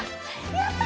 やった！